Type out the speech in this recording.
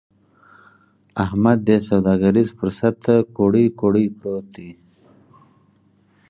احمد دې سوداګريز فرصت ته کوړۍ کوړۍ پروت دی.